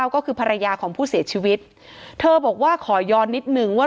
ก็คือภรรยาของผู้เสียชีวิตเธอบอกว่าขอย้อนนิดนึงว่า